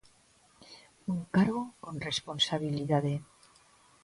Un cargo con responsabilidade.